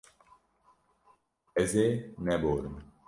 Ez ê neborim.